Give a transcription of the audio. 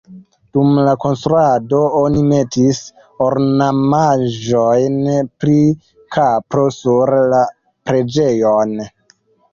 Dum la konstruado oni metis ornamaĵojn pri kapro sur la preĝejon.